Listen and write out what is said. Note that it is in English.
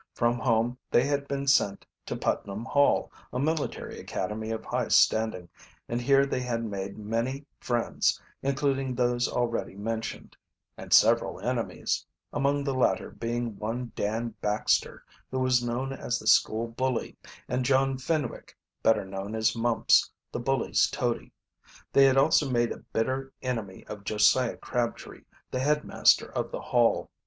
From home they had been sent to Putnam Hall, a military academy of high standing, and here they had made many friends, including those already mentioned, and several enemies, among the latter being one Dan Baxter, who was known as the school bully, and John Fenwick, better known as Mumps, the bully's toady. They had also made a bitter enemy of Josiah Crabtree, the headmaster of the Hall.